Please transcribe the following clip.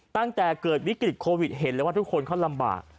ตั้งแต่เกิดวิกฤตโควิดเห็นเลยว่าทุกคนเขาลำบาก